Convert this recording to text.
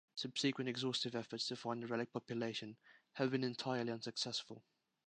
Subsequent exhaustive efforts to find a relict population have been entirely unsuccessful.